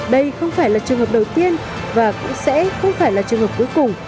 đây không phải là trường hợp đầu tiên và cũng sẽ không phải là trường hợp cuối cùng